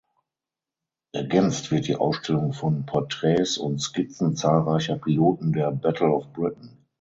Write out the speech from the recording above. Ergänzt wird die Ausstellung von Porträts und Skizzen zahlreicher Piloten der "Battle of Britain".